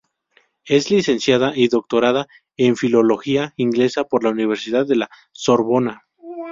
Es licenciada y doctorada en Filología Inglesa por la Universidad de la Sorbona.